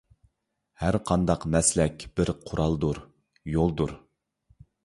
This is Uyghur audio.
ھەرقانداق مەسلەك بىر قورالدۇر، يولدۇر.